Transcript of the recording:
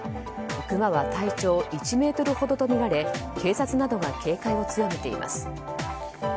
クマは、体長１ｍほどとみられ警察などが警戒を強めています。